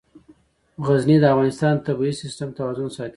غزني د افغانستان د طبعي سیسټم توازن ساتي.